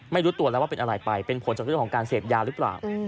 ไม่รู้ตัวแล้วว่าเป็นอะไรไปเป็นผลจากเรื่องของการเสพยาหรือเปล่า